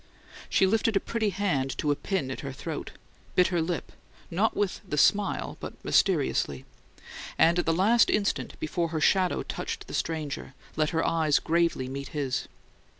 She lifted a pretty hand to a pin at her throat, bit her lip not with the smile, but mysteriously and at the last instant before her shadow touched the stranger, let her eyes gravely meet his.